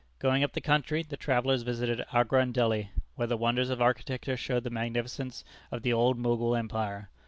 Going up the country, the travellers visited Agra and Delhi, where the wonders of architecture showed the magnificence of the old Mogul Empire.